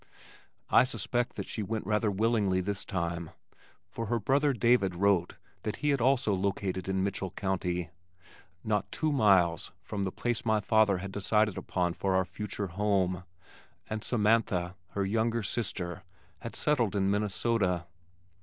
I suspect that she went rather willingly this time, for her brother David wrote that he had also located in Mitchell County, not two miles from the place my father had decided upon for our future home, and Samantha, her younger sister, had settled in Minnesota.